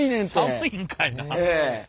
寒いんかいな。